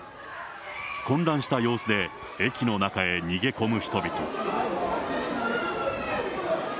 混乱した様子で、駅の中へ逃げ込む人々。